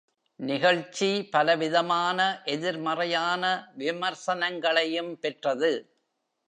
நிகழ்ச்சி பலவிதமானஎதிர்மறையான விமர்சனங்களையும் பெற்றது.